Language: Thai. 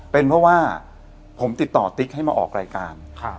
เป็นเพราะว่าผมติดต่อติ๊กให้มาออกรายการ